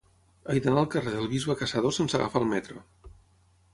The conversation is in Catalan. He d'anar al carrer del Bisbe Caçador sense agafar el metro.